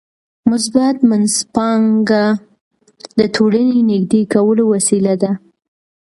مثبت منځپانګه د ټولنې نږدې کولو وسیله ده.